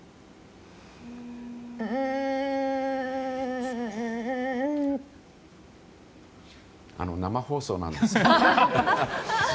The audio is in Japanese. うーん。生放送なんですけど。